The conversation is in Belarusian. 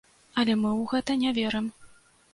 Але мы ў гэта не верым.